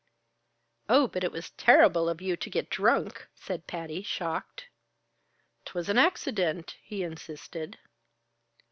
"Oh, but it was terrible of you to get drunk!" said Patty, shocked. "'Twas an accident," he insisted.